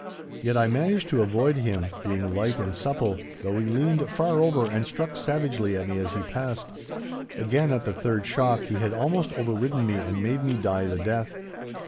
Yet I managed to avoid him, being light and supple, though he leaned far over and struck savagely at me as he passed. Again at the third shock he had almost overridden me and made me die the death.